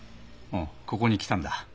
うんここに来たんだ。